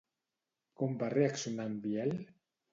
Com va reaccionar en Biel?